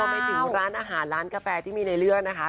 ไปถึงร้านอาหารร้านกาแฟที่มีในเลือดนะคะ